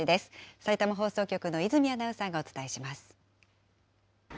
さいたま放送局の泉アナウンサーがお伝えします。